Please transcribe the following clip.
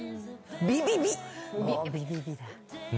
ビビビ！